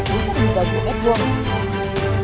giá đạt đến ba triệu bốn trăm nghìn đồng một mét vuông